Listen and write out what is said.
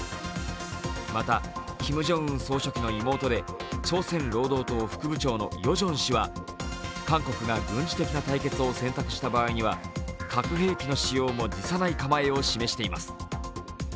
また、キム・ジョンウン総書記の妹で朝鮮労働党副部長のヨジョン氏は韓国が軍事的な対決を選択した場合には核兵器の使用も辞さない構えを示しています。